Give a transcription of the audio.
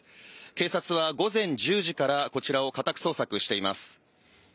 警察は午前１０時からこちらを家宅捜索しています。